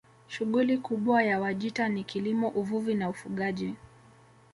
Shughuli kubwa ya Wajita ni kilimo uvuvi na ufugaji